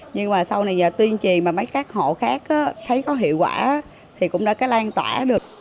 nhưng mà sau này giờ tuyên trì mà mấy các hộ khác thấy có hiệu quả thì cũng đã cái lan tỏa được